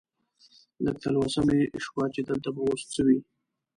لږه تلوسه مې شوه چې دلته به اوس څه وي.